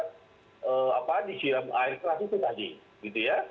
untuk disiram air keras itu tadi